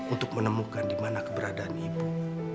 untuk menemukan dimana keberadaan ibu